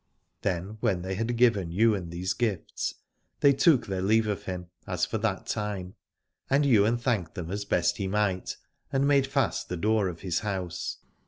Then when they had given Ywain these gifts, they took their leave of him, as for that time : and Yv^ain thanked him as best he might, and made fast the door of his house.